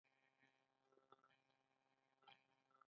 ما د پیرود پر وخت د نرخونو پرتله وکړه.